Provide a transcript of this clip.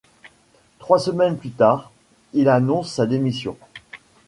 Trois semaines plus tard, il annonce sa démission.